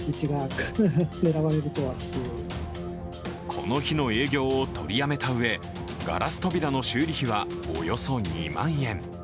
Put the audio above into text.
この日の営業を取りやめたうえガラス扉の修理費はおよそ２万円。